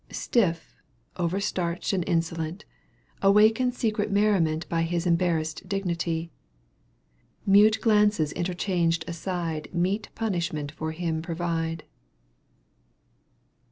Stiff, overstarched and insolent. Awakens secret merriment By his embarrassed dignity — Mute glances interchanged aside Meet punishment for him provide.